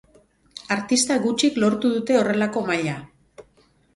Artista gutxik lortu dute horrelako maila.